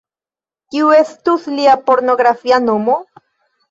Kiu estus lia pornografia nomo?